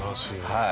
はい。